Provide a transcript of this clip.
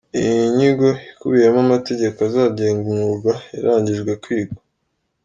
Iyi nyigo ikubiyemo amategeko azagenga umwuga yarangijwe kwigwa.